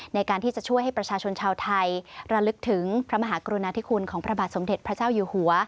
ในการที่จะช่วยให้ประชาชนชาวไทยระลึกถึงพระมหากรุณาธิคุณของพระบาทสมเด็จพระเจ้าอยู่หัว